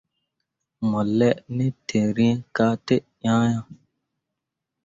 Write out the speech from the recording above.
Mo laa ne tǝrîi ka te ŋaa ah.